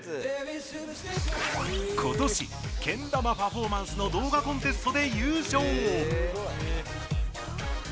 ことし、けん玉パフォーマンスの動画コンテストで優勝！